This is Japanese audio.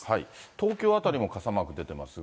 東京辺りも傘マーク出てますが。